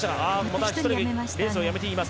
また１人レースをやめています。